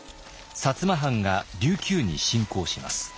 摩藩が琉球に侵攻します。